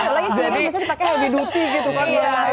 biasanya dipake healthy duty gitu kan